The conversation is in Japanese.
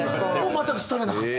全くされなかった？